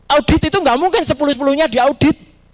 audit itu nggak mungkin sepuluh sepuluh nya diaudit